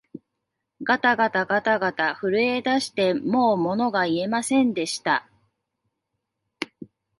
がたがたがたがた、震えだしてもうものが言えませんでした